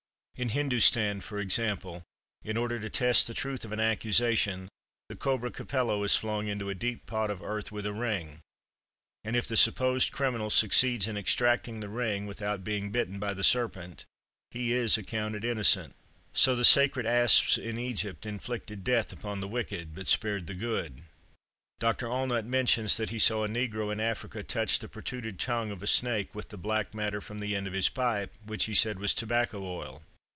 In Hindostan, for example, in order to test the truth of an accusation, the cobra capello is flung into a deep pot of earth with a ring; and if the supposed criminal succeeds in extracting the ring without being bitten by the serpent, he is accounted innocent. So the sacred asps in Egypt inflicted death upon the wicked, but spared the good. Dr. Allnut mentions that he saw a negro in Africa touch the protruded tongue of a snake with the black matter from the end of his pipe, which he said was tobacco oil.